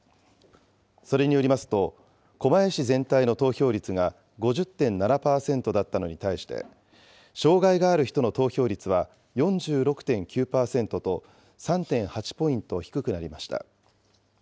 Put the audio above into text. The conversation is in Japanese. それによりますと、狛江市全体の投票率が５０．７％だったのに対して、障害がある人の投票率は４６．９％と、３．８ポイント低くなりました。